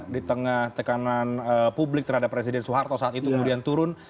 di tengah tekanan publik terhadap presiden soeharto saat itu kemudian turun